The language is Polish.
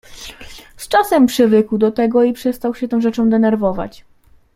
"Z czasem przywykł do tego i przestał się tą rzeczą denerwować."